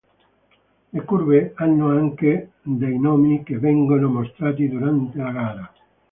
Le curve hanno anche dei nomi che vengono mostrati durante la gara.